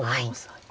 はい。